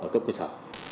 cấp cơ sở